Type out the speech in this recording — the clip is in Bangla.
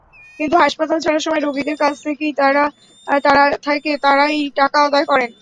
কিন্তু হাসপাতাল ছাড়ার সময় রোগীদের কাছ থেকে তাঁরাই টাকা আদায় করেন।